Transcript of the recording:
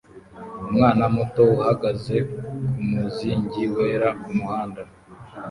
Umwana muto uhagaze kumuzingi wera kumuhanda